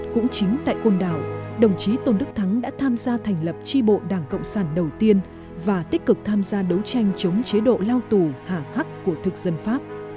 cũng chính tại côn đảo đồng chí tôn đức thắng đã tham gia thành lập tri bộ đảng cộng sản đầu tiên và tích cực tham gia đấu tranh chống chế độ lao tù hạ khắc của thực dân pháp